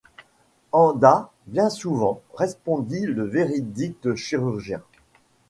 En dà! bien souvent, respondit le véridicque chirurgien.